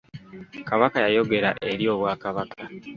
Kabaka yayogera eri obwakabaka.